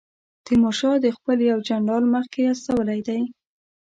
تیمورشاه خپل یو جنرال مخکې استولی دی.